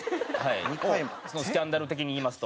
スキャンダル的に言いますと。